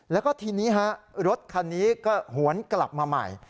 แล้วก็ทีนี้ฮะรถคันนี้ก็หวนกลับมาใหม่